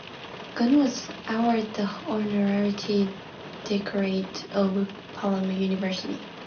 Gunn was awarded the honorary doctorate of Palermo University.